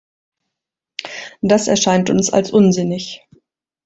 Das erscheint uns als unsinnig.